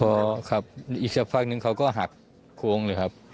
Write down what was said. พอครับอีกสักพักนึงเขาก็หักโค้งเลยครับ